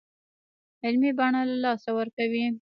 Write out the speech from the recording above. علمي بڼه له لاسه ورکړې.